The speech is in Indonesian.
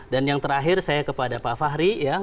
dan yang terakhir saya kepada pak fahri ya